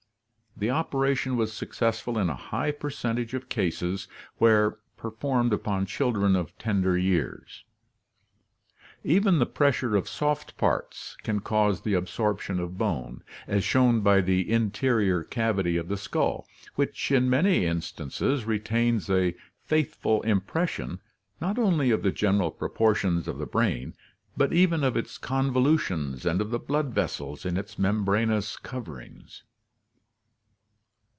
The operation was successful in a high percentage of cases where performed upon children of tender years. Even the pressure of soft parts can cause the absorption of bone, as shown by the interior cavity of the skull, which in many in stances retains a faithful impression, not only of the general pro portions of the brain, but even of its convolutions and of the blood vessels in its membranous coverings.